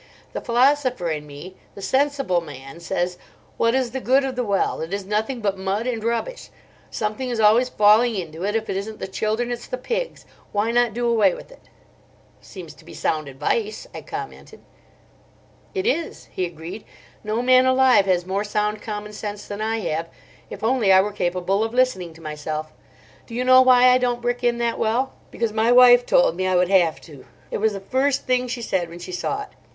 "The philosopher in me—the sensible man—says, 'What is the good of the well? It is nothing but mud and rubbish. Something is always falling into it—if it isn't the children it's the pigs. Why not do away with it?'" "Seems to be sound advice," I commented. "It is," he agreed. "No man alive has more sound commonsense than I have, if only I were capable of listening to myself. Do you know why I don't brick in that well? Because my wife told me I would have to. It was the first thing she said when she saw it.